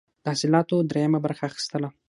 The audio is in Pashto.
د حاصلاتو دریمه برخه اخیستله.